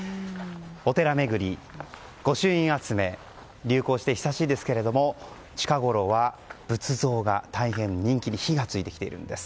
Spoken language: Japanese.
お寺巡り、御朱印集め流行して久しいですが近ごろは、仏像が大変人気に火が付いているんです。